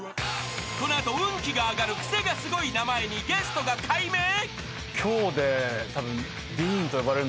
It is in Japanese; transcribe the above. ［この後運気が上がるクセがスゴい名前にゲストが改名！？］